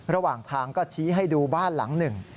ระหว่างทางก็ชี้ให้ดูบ้านหลังหนึ่ง